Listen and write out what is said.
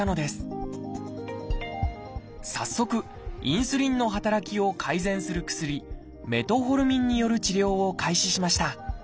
早速インスリンの働きを改善する薬メトホルミンによる治療を開始しました。